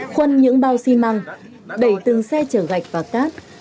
khuân những bao xi măng đẩy từng xe chở gạch và cát